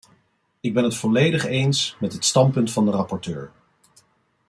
Ik ben het volledig eens met het standpunt van de rapporteur.